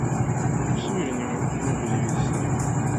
Gusubira inyuma kumubiri bisa